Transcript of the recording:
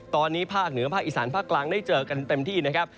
ตอนนี้ภาคเหนือภาคอีสานภาคกลางได้เจอกันเต็มที่นะครับ